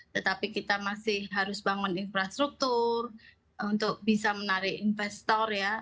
tetapi kita masih harus bangun infrastruktur untuk bisa menarik investor ya